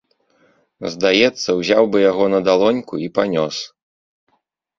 Здаецца, узяў бы яго на далоньку і панёс.